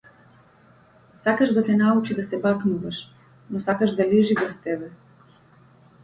Сакаш да те научи да се бакнуваш, но сакаш да лежи врз тебе.